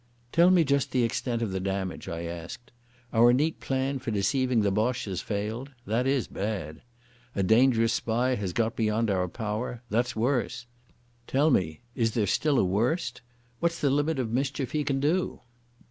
"Tell me just the extent of the damage," I asked. "Our neat plan for deceiving the Boche has failed. That is bad. A dangerous spy has got beyond our power. That's worse. Tell me, is there still a worst? What's the limit of mischief he can do?"